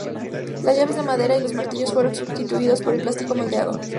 Las llaves de madera y los martillos fueron substituidos por el plástico moldeado.